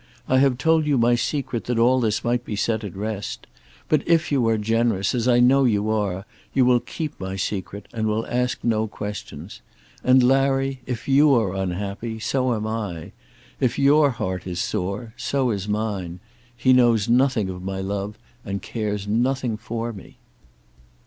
I have told you my secret that all this might be set at rest. But if you are generous, as I know you are, you will keep my secret, and will ask no questions. And, Larry, if you are unhappy, so am I. If your heart is sore, so is mine. He knows nothing of my love, and cares nothing for me."